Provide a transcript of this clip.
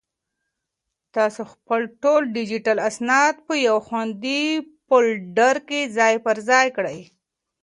تاسو خپل ټول ډیجیټل اسناد په یو خوندي فولډر کې ځای پر ځای کړئ.